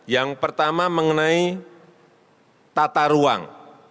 yang pertama mengenai tata ruang